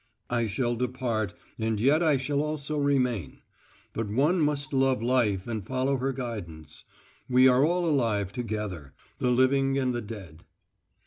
I shall depart and yet I shall also remain. But one must love Life and follow her guidance. We are all alive together the living and the dead."